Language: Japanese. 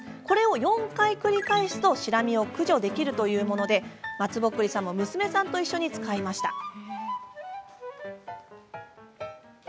これを４回繰り返すとシラミを駆除できるというものでまつぼっくりさんも娘さんと一緒に使いました。